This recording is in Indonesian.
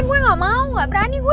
gue gak mau gak berani gue